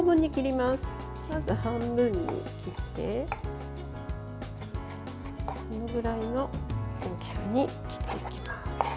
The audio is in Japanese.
まず半分に切ってこのぐらいの大きさに切っていきます。